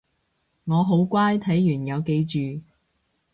我好乖睇完有記住